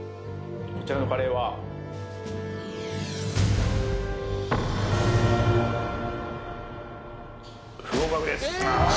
こちらのカレーは不合格です